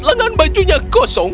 lengan bajunya kosong